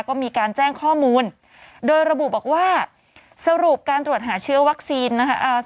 ก็มีการแจ้งข้อมูลโดยระบุบอกว่าสรุปการตรวจหาเชื้อวัคซีนนะคะ